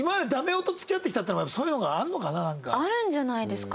あるんじゃないですか？